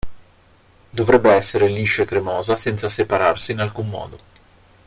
Dovrebbe essere liscia e cremosa senza separarsi in alcun modo.